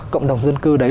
cộng đồng dân cư đấy